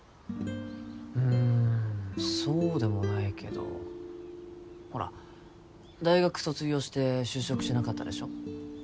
うーんそうでもないけどほら大学卒業して就職しなかったでしょ